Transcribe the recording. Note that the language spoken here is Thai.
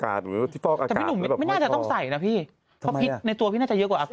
แอคที่หมายถึงพี่หนุ่มพิษเยอะ